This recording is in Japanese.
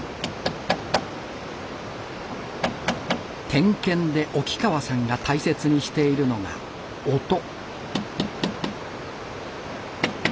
点検で沖川さんが大切にしているのが音。